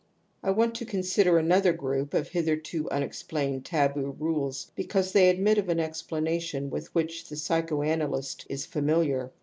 I want to consider another group of hitherto unexplained taboo rules because they admit of an explanation with which the psychoanalyst is familiar.